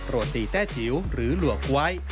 โรตีแต้จิ๋วหรือหลั่วก๋วย